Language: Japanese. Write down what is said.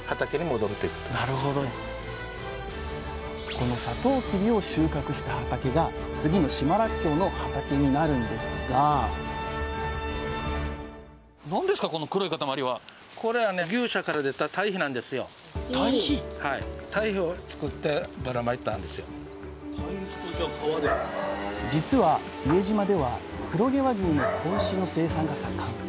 このサトウキビを収穫した畑が次の島らっきょうの畑になるんですが実は伊江島では黒毛和牛の子牛の生産が盛ん。